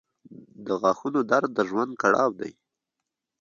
• د غاښونو درد د ژوند کړاو دی.